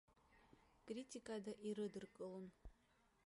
Критикада ирыдыркылон.